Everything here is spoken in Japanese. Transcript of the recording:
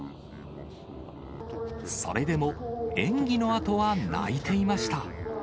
それでも、演技のあとは泣いていました。